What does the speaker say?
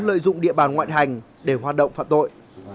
lợi dụng địa bàn ngoại hành để hoạt động phạm tội